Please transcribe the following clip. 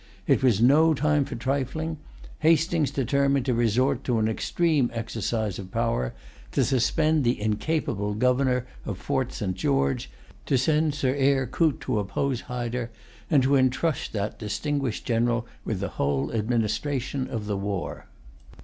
It was no time for trifling. Hastings determined to resort to an extreme exercise of power, to suspend the incapable governor of Fort[Pg 178] St. George, to send Sir Eyre Coote to oppose Hyder, and to entrust that distinguished general with the whole administration of the war.